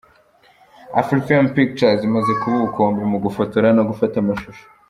Afrifame Pictures imaze kuba ubukombe mu gufotora no gufata amashusho.